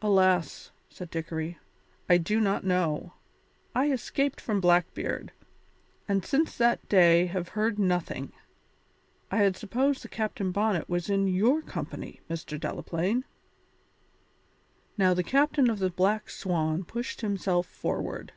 "Alas!" said Dickory, "I do not know. I escaped from Blackbeard, and since that day have heard nothing. I had supposed that Captain Bonnet was in your company, Mr. Delaplaine." Now the captain of the Black Swan pushed himself forward.